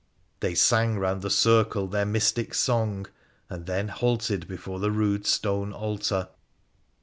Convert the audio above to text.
They sang round the circle their mystic song, and then halted before the rude stone altar.